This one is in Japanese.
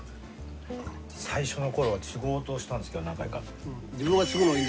最初のころはつごうとしたんですけど何回か。